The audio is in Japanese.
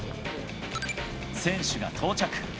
選手が到着。